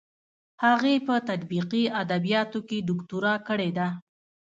هغې په تطبیقي ادبیاتو کې دوکتورا کړې ده.